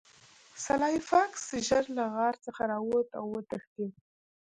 سلای فاکس ژر له غار څخه راووت او وتښتید